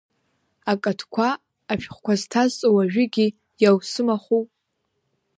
Акаҭқәа, ашәҟәқәа зҭасҵо уажәыгьы иаусымаху.